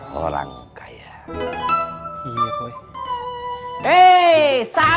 sementara nyokap lo emak jalanan lah emak pasar